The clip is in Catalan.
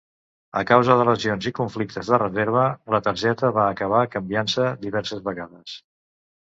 A causa de lesions i conflictes de reserva, la targeta va acabar canviant-se diverses vegades.